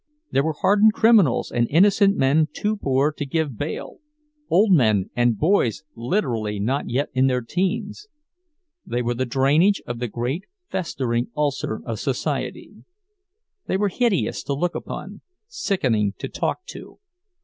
There were hardened criminals and innocent men too poor to give bail; old men, and boys literally not yet in their teens. They were the drainage of the great festering ulcer of society; they were hideous to look upon, sickening to talk to.